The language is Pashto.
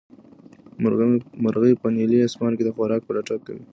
مرغۍ په نیلي اسمان کې د خوراک په لټه کې وه.